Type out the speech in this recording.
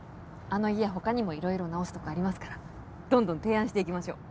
あの家他にもいろいろ直すとこありますからどんどん提案していきましょう。